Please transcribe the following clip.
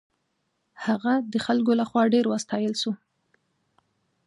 هغه د خلکو له خوا ډېر وستایل شو.